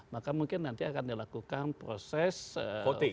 maka mungkin nanti akan dilakukan proses penyelidikan